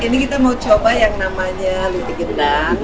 ini kita mau coba yang namanya lute getang